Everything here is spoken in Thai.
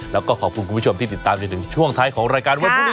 แล้วก็ขอบคุณคุณผู้ชมที่ติดตามจนถึงช่วงท้ายของรายการวันพรุ่งนี้